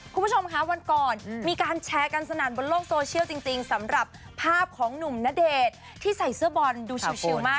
คุณผู้ชมค่ะวันก่อนมีการแชร์กันสนั่นบนโลกโซเชียลจริงสำหรับภาพของหนุ่มณเดชน์ที่ใส่เสื้อบอลดูชิลมาก